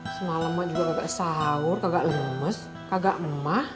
semalam mak juga kagak sahur kagak lemes kagak emah